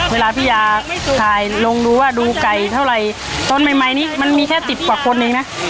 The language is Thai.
เวลาพี่ยาถ่ายลงดูว่าดูไก่เท่าไหร่ต้นใหม่นี้มันมีแค่สิบกว่าคนเองนะ